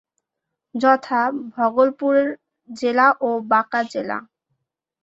যথা: ভাগলপুর জেলা ও বাঁকা জেলা।